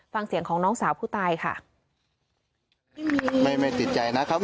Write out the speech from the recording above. ฟังเสียงของน้องสาวผู้ตายค่ะ